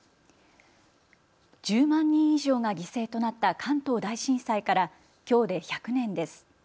１０万人以上が犠牲となった関東大震災からきょうで１００年です。